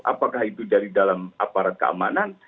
apakah itu dari dalam aparat keamanan